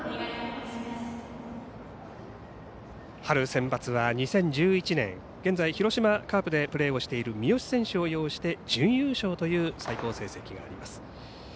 春センバツは２０１１年現在広島カープで活躍されている三好選手を擁して準優勝という最高成績であります。